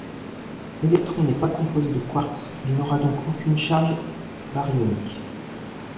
L'électron n'est pas composé de quarks, il n'aura donc aucune charge baryonique.